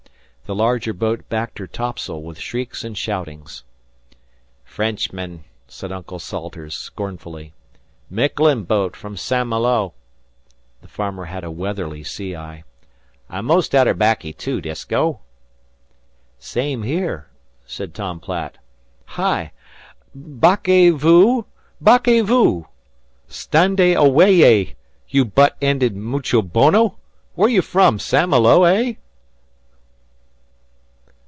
The larger boat backed her topsail with shrieks and shoutings. "Frenchman," said Uncle Salters, scornfully. "Miquelon boat from St. Malo." The farmer had a weatherly sea eye. "I'm 'most outer 'baccy, too, Disko." "Same here," said Tom Platt. "Hi! Backez vous backez vous! Standez awayez, you butt ended mucho bono! Where you from St. Malo, eh?"